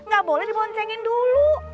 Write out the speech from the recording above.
gak boleh diboncengin dulu